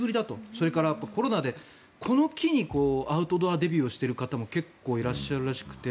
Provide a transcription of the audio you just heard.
それから、コロナでこの機にアウトドアデビューをしている方も結構いらっしゃるらしくて